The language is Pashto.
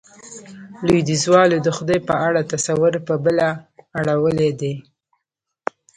لوېديځوالو د خدای په اړه تصور، په بله اړولی دی.